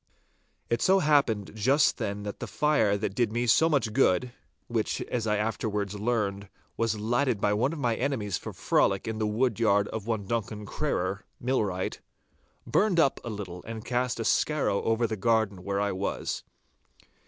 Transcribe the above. It so happened just then that the fire that did me so much good—which, as I afterwards learned, was lighted by one of my enemies for frolic in the wood yard of one Duncan Crerar, millwright—burned up a little and cast a skarrow over the garden where I was.